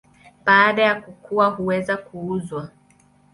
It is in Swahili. Baada ya kukua huweza kuuzwa.